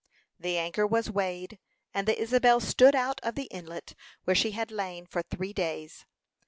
The anchor was weighed, and the Isabel stood out of the inlet where she had lain for three days.